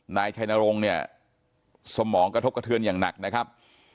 นายชัยนรงค์เนี่ยสมองกระทบกระเทือนอย่างหนักนะครับ